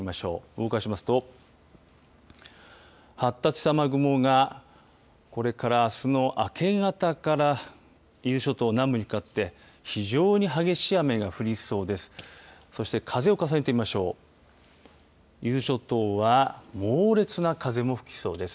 動かしますと発達した雨雲がこれから、あすの明け方から伊豆諸島南部にかけて非常に激しい雨が降りそうです。